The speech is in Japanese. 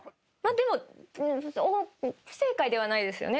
でも不正解ではないですよね。